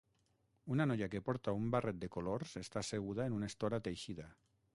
Una noia que porta un barret de colors està asseguda en una estora teixida.